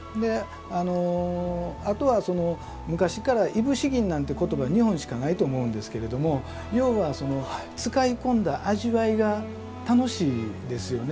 あのあとは昔から「いぶし銀」なんて言葉日本しかないと思うんですけれども要は使い込んだ味わいが楽しいですよね。